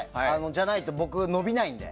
じゃないと、僕、伸びないので。